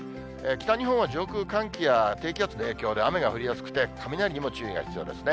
北日本は上空、寒気や低気圧の影響で雨が降りやすくて雷にも注意が必要ですね。